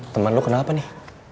temen lo kenal apa nih